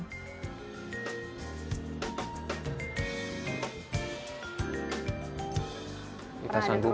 pernah ada kerugian gak nih